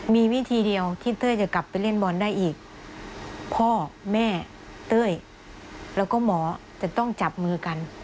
มีวิธีเดียวที่เต้ยจะกลับไปเล่นบอลได้อีกพ่อแม่เต้ยแล้วก็หมอจะต้องจับมือกัน